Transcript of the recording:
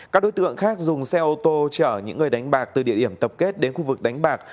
các đối tượng khác dùng xe ô tô chở những người đánh bạc từ địa điểm tập kết đến khu vực đánh bạc